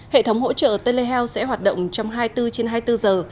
hệ thống hỗ trợ telehealth sẽ hoạt động trong hai mươi bốn trên hai mươi bốn giờ